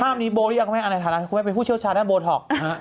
ภาพนี้โบว์หรือยังคุณแม่เป็นผู้เชี่ยวชาติด้านโบว์ท็อก